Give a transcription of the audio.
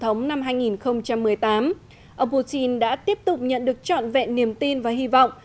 trong cuộc bầu cử tổng thống năm hai nghìn một mươi tám ông putin đã tiếp tục nhận được trọn vẹn niềm tin và hy vọng